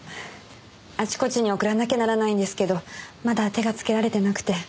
あちこちに送らなきゃならないんですけどまだ手がつけられてなくて。